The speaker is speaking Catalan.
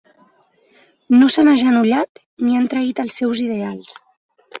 No s’han agenollat ni han traït els seus ideals.